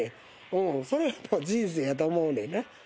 うんそれも人生やと思うねんな。